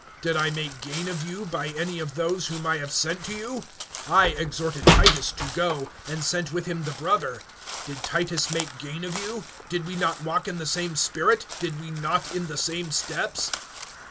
(17)Did I make gain of you, by any of those whom I have sent to you? (18)I exhorted Titus [to go], and sent with him the brother. Did Titus make gain of you? Did we not walk in the same spirit; did we not in the same steps?